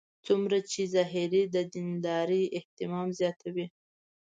څومره چې ظاهري دیندارۍ اهتمام زیاتوي.